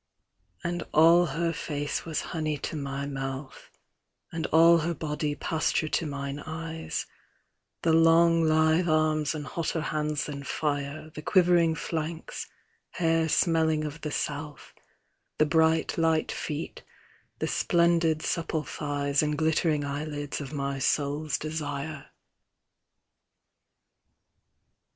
And all her face was honey to my mouth, And all her body pasture to mine eyes; The long lithe arms and hotter hands than fire, The quivering flanks, hair smelling of the south, The bright light feet, the splendid supple thighs And glittering eyelids of my soul's desire.